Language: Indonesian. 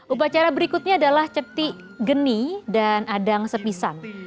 upacara berikutnya adalah cepti geni dan adang sepisang